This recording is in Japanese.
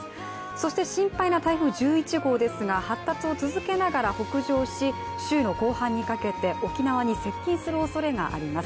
そして心配な台風１１号ですが発達を続けながら北上し週の後半にかけて沖縄に接近するおそれがあります。